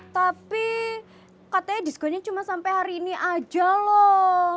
tapi katanya diskonya cuma sampe hari ini aja loh